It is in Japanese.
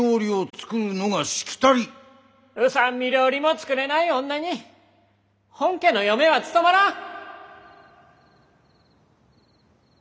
御三味料理も作れない女に本家の嫁は務まらん！